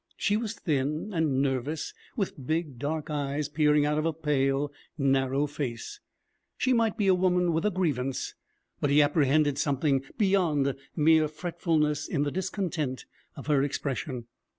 She was thin and nervous, with big dark eyes peering out of a pale, narrow face; she might be a woman with a grievance, but he apprehended something beyond mere fretfulness in the discontent of her expression.